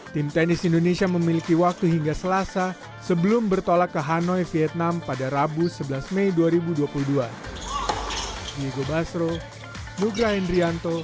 tim tenis indonesia memiliki waktu hingga selasa sebelum bertolak ke hanoi vietnam pada rabu sebelas mei dua ribu dua puluh dua